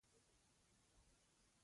ډرامه باید له انتقاد ونه وډاريږي